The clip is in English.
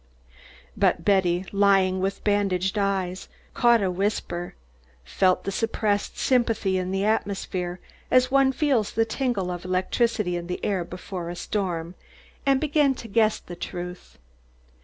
But Betty, lying with bandaged eyes, caught a whisper, felt the suppressed sympathy in the atmosphere, as one feels the tingle of electricity in the air before a storm, and began to guess the truth.